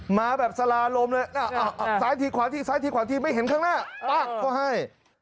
มาแบบสลาลมเลยซ้ายทีขวาทีซ้ายทีขวาทีไม่เห็นข้างหน้าป๊ะเขาให้